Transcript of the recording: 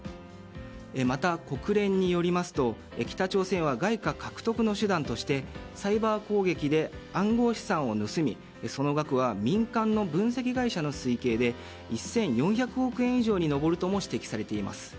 また、国連によりますと北朝鮮は外貨獲得の手段としてサイバー攻撃で暗号資産を盗みその額は民間の分析会社の推計で１４００億円以上に上るとも指摘されています。